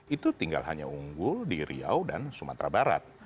itu tinggal hanya unggul di riau dan sumatera barat